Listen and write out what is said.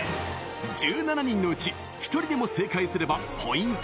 １７人のうち１人でも正解すればポイント